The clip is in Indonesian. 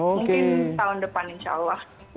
mungkin tahun depan insya allah